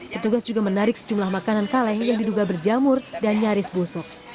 petugas juga menarik sejumlah makanan kaleng yang diduga berjamur dan nyaris busuk